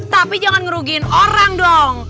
tapi jangan ngerugikan orang dong